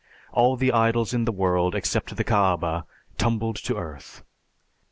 All the idols in the world except the Kaaba tumbled to earth.